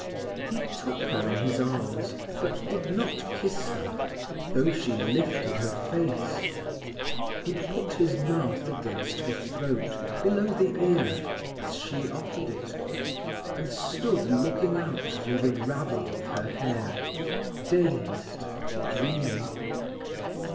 He took her in his arms, but did not kiss her, though she lifted her face. He put his mouth against her throat, below the ear, as she offered it, and stood looking out through the ravel of her hair, dazed, dreamy.